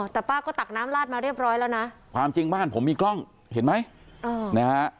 แต่ป้าก็ตักน้ำลาดมาเรียบร้อยแล้วนะความจริงบ้านผมมีกล้องเห็นไหมนะฮะ